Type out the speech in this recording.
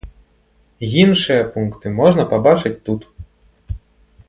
Іншыя пункты можна пабачыць тут.